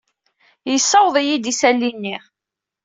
Yessaweḍ-iyi-d isali-nni.